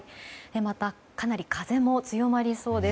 また、かなり風も強まりそうです。